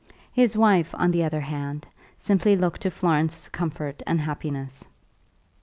His wife, on the other hand, simply looked to Florence's comfort and happiness.